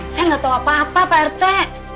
saya gak tau apa apa pak rete